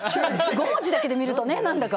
５文字だけで見るとね何だか。